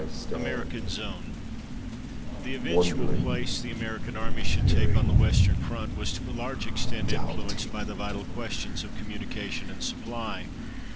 AMERICAN ZONE The eventual place the American Army should take on the western front was to a large extent influenced by the vital questions of communication and supply.